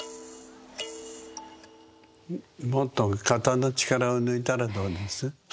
もっと肩の力を抜いたらどうです？